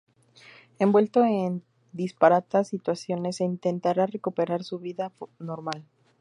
Envuelto en disparatadas situaciones intentará recuperar su vida normal.